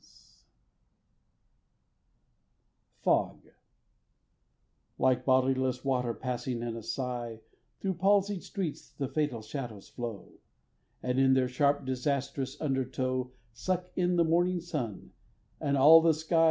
Fog LIKE bodiless water passing in a sigh, Thro' palsied streets the fatal shadows flow, And in their sharp disastrous undertow Suck in the morning sun, and all the sky.